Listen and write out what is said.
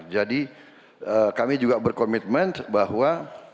jadi kami juga berkomitmen bahwa